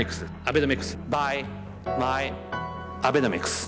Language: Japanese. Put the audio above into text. アベノミクス。